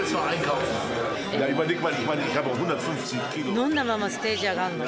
飲んだままステージ上がんの？